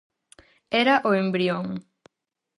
Era o embrión.